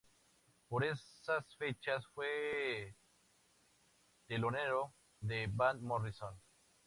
Por esas fechas fue telonero de Van Morrison.